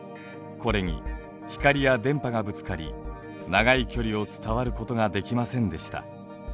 これに光や電波がぶつかり長い距離を伝わることができませんでした。